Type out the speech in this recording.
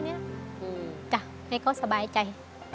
อย่าเป็นว่าเขาที่สบายใจ